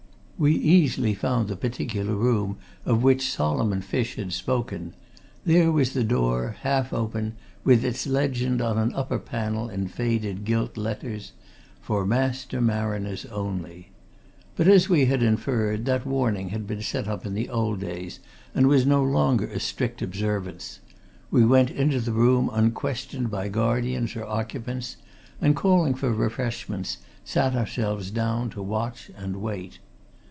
We easily found the particular room of which Solomon Fish had spoken there was the door, half open, with its legend on an upper panel in faded gilt letters, "For Master Mariners Only." But, as we had inferred, that warning had been set up in the old days, and was no longer a strict observance; we went into the room unquestioned by guardians or occupants, and calling for refreshments, sat ourselves down to watch and wait.